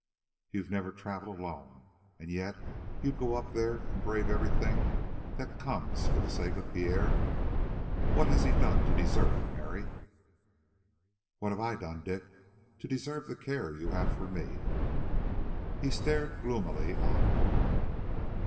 "You've never traveled alone, and yet you'd go up there and brave everything that comes for the sake of Pierre? What has he done to deserve it, Mary?". "What have I done, Dick, to deserve the care you have for me?" He stared gloomily on her.